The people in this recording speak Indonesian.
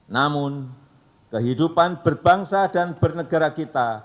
namun kehidupan berbangsa dan bernegara kita